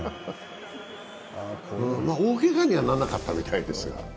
大けがにはならなかったみたいです。